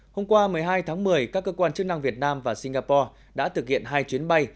hôm qua một mươi hai tháng một mươi các cơ quan chức năng việt nam và singapore đã thực hiện hai chuyến bay